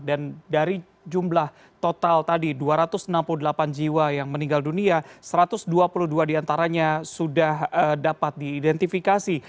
dan dari jumlah total tadi dua ratus enam puluh delapan jiwa yang meninggal dunia satu ratus dua puluh dua diantaranya sudah dapat diidentifikasi